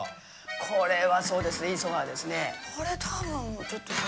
これはそうですねいいソファですね